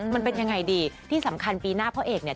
มันเป็นยังไงดีที่สำคัญปีหน้าพ่อเอกเนี่ย